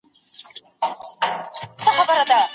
تاسو به د باطل مخه ونيسئ.